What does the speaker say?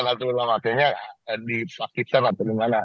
nanti ulama akhirnya dipakitan atau di mana